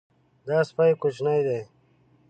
دا سپی کوچنی دی.